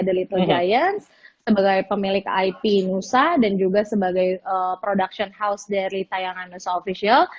the little giants sebagai pemilik ip nusa dan juga sebagai production house dari tayangan nusa official